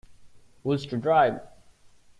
Who’s to drive?